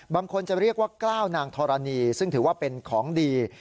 บางคนจะเรียกว่ากล้าวนางธรณีซึ่งถือว่าเป็นของดี